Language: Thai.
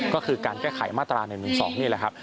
ก็คือการแก้ไขมาตรา๑๑๒นี่แหละครับ